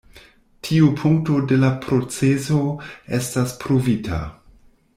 Tiu punkto de la proceso estas pruvita.